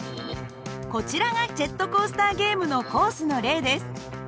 こちらがジェットコースターゲームのコースの例です。